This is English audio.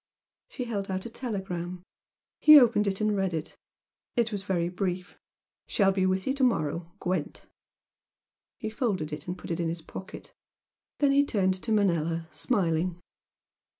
She held out a telegram. He opened and read it. It was very brief "Shall be with you to morrow. Gwent." He folded it and put it in his pocket. Then he turned to Manella, smiling.